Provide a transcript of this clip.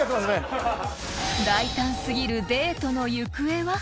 ［大胆過ぎるデートの行方は？］